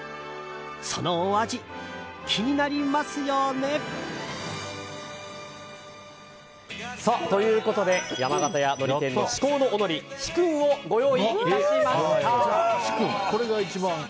そのお味、気になりますよね？ということで山形屋海苔店の至高のおのり紫薫をご用意いたしました。